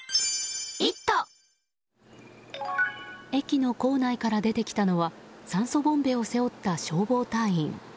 駅の構内から出てきたのは酸素ボンベを背負った消防隊員。